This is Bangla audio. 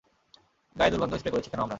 গায়ে দুর্গন্ধ স্প্রে করেছি কেন আমরা?